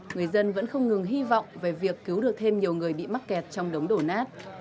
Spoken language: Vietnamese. người dân vẫn không ngừng hy vọng về việc cứu được thêm nhiều người bị mắc kẹt trong đống đổ nát